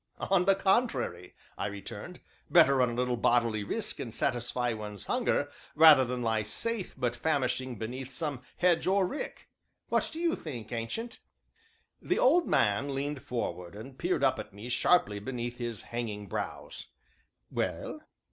"On the contrary," I returned, "better run a little bodily risk and satisfy one's hunger, rather than lie safe but famishing beneath some hedge or rick what do you think, Ancient?" The old man leaned forward and peered up at me sharply beneath his hanging brows. "Well?"